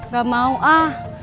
gak mau ah